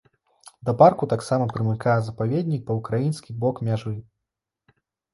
Да парку таксама прымыкае запаведнік па ўкраінскі бок мяжы.